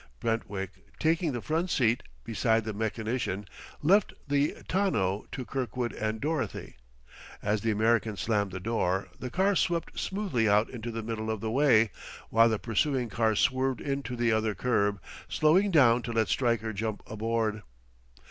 Brentwick taking the front seat, beside the mechanician, left the tonneau to Kirkwood and Dorothy. As the American slammed the door, the car swept smoothly out into the middle of the way, while the pursuing car swerved in to the other curb, slowing down to let Stryker jump aboard.